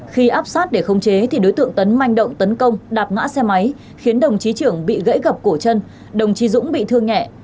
khi áp sát để khống chế thì đối tượng tấn manh động tấn công đạp ngã xe máy khiến đồng chí trưởng bị gãy gập cổ chân đồng chí dũng bị thương nhẹ